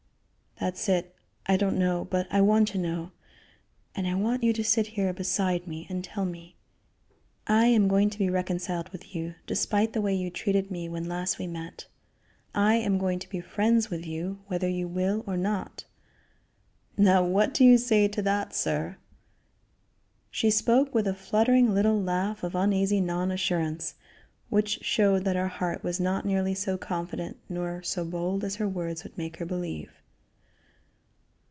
"That's it; I don't know, but I want to know; and I want you to sit here beside me and tell me. I am going to be reconciled with you, despite the way you treated me when last we met. I am going to be friends with you whether you will or not. Now what do you say to that, sir?" She spoke with a fluttering little laugh of uneasy non assurance, which showed that her heart was not nearly so confident nor so bold as her words would make believe.